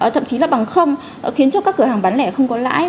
thậm chí là bằng khiến cho các cửa hàng bán lẻ không có lãi